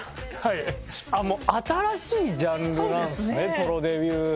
新しいジャンルなんですねソロデビュー作。